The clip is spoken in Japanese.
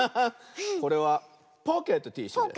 これはポケットティッシュです。